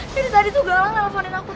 yul tadi tuh galang nelfonin aku